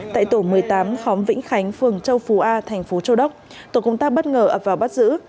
tại tổ một mươi tám khóm vĩnh khánh phường châu phù a tp châu đốc tổ công tác bất ngờ ập vào bắt giữ